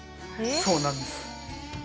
そうなんです。